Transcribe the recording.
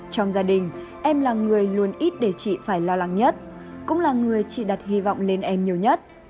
trong gia đình em là người luôn ít để chị phải lo lắng nhất cũng là người chị đặt hy vọng lên em nhiều nhất